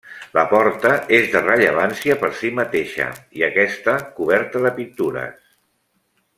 La Porta és de rellevància per si mateixa i aquesta coberta de pintures.